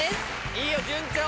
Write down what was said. いいよ順調。